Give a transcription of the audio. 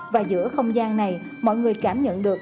và giữa không gian này mọi người cảm nhận được